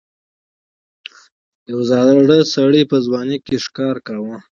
یو زاړه سړي په ځوانۍ کې ښه ښکار کاوه.